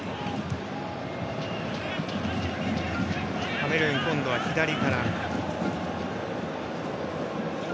カメルーン、今度は左から。